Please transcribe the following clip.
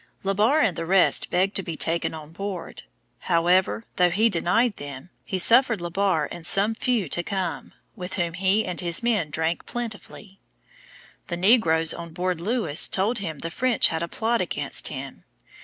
Le Barre and the rest begged to be taken on board. However, though he denied them, he suffered Le Barre and some few to come, with whom he and his men drank plentifully. The negroes on board Lewis told him the French had a plot against him.